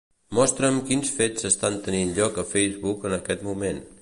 Mostra'm quins fets estan tenint lloc a Facebook en aquest moment.